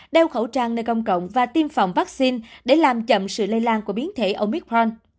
đeo khẩu trang nơi công cộng và tiêm phòng vaccine để làm chậm sự lây lan của biến thể omithon